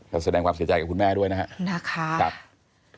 ก็แสดงความเสียใจกับคุณแม่ด้วยนะครับ